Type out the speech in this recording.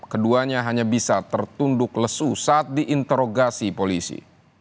keduanya hanya bisa tertunduk lesu saat diinterogasi polisi